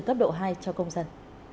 cấp độ hai cho công dân